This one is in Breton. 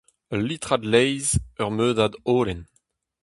Ul litrad laezh ; ur meudad holen.